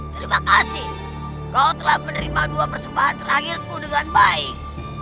terima kasih kau telah menerima dua persembahan terakhirku dengan baik